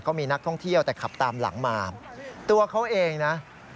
มีนักท่องเที่ยวแต่ขับตามหลังมาตัวเขาเองนะ